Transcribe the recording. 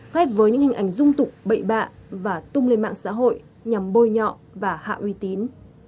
cách với những hình ảnh dung tục bậy bạ và tung lên mạng xã hội nhằm bôi nhọ và hạ uy tín